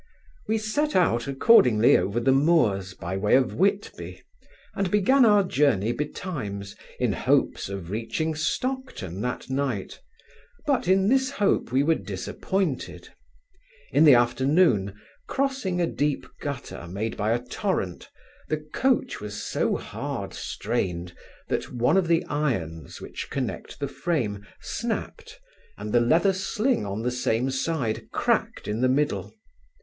We set out accordingly over the moors, by the way of Whitby, and began our journey betimes, in hopes of reaching Stockton that night; but in this hope we were disappointed In the afternoon, crossing a deep gutter, made by a torrent, the coach was so hard strained, that one of the irons, which connect the frame, snapt, and the leather sling on the same side, cracked in the middle.